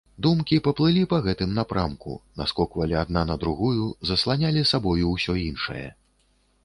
Думкі паплылі па гэтым напрамку, наскоквалі адна на другую, засланялі сабою ўсё іншае.